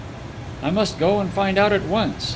"I must go and find out at once.